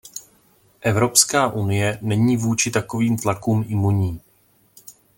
Evropská unie není vůči takovým tlakům imunní.